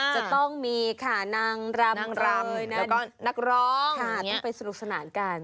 จะต้องมีค่ะนางรำรำแล้วก็นักร้องค่ะต้องไปสนุกสนานกัน